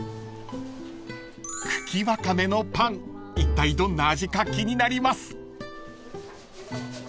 ［茎わかめのパンいったいどんな味か気になります］